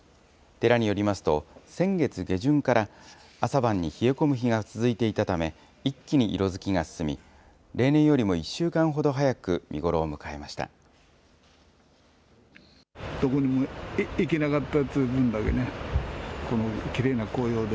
寺によりますと、先月下旬から朝晩に冷え込む日が続いていたため、一気に色づきが進み、例年よりも１週間ほど早く見頃を迎えました。